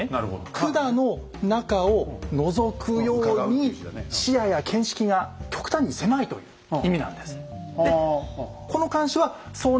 管の中をのぞくように視野や見識が極端に狭いという意味なんです。